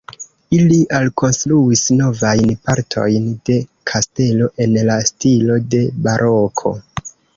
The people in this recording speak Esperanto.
Ili alkonstruis novajn partojn de kastelo en la stilo de baroko.